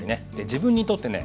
自分にとってね